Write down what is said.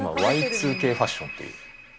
Ｙ２Ｋファッションという。